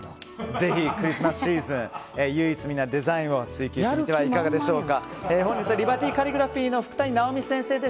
ぜひクリスマスシーズン唯一無二なデザインを追求してみてはいかがでしょうか。